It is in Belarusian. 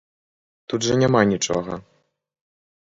Тут жа няма нічога.